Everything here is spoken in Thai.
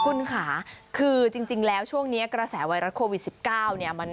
คุณค่ะคือจริงแล้วช่วงนี้กระแสไวรัสโควิด๑๙เนี่ย